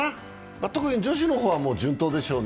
特に女子の方は順当でしょうね。